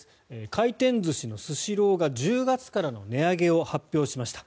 回転寿司のスシローが１０月からの値上げを発表しました。